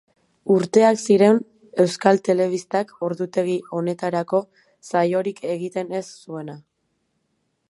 Urteak ziren Euskal Telebistak ordutegi honetarako saiorik egiten ez zuena.